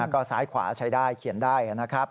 ก็ซ้ายขวาใช้ได้เขียนได้นะครับ